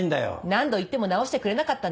何度言っても直してくれなかったんでしょ？